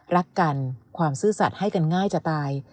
รักกันความซื่อสัตว์ให้กันง่ายจะตาย